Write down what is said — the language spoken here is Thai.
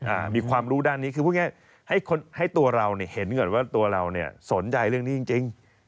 อ่ามีความรู้ด้านนี้คือพูดง่ายให้คนให้ตัวเราเนี่ยเห็นก่อนว่าตัวเราเนี่ยสนใจเรื่องนี้จริงจริง